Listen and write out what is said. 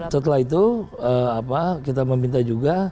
setelah itu kita meminta juga